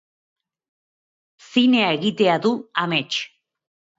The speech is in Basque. Zinea egitea du amets.